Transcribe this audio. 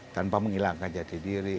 tanpa menghilangkan jati diri